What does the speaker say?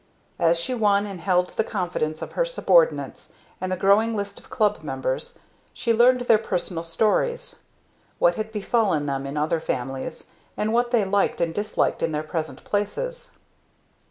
As she won and held the confidence of her subordinates, and the growing list of club members, she learned their personal stories; what had befallen them in other families, and what they liked and disliked in their present places.